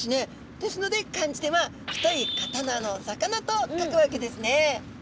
ですので漢字では太い刀の魚と書くわけですね。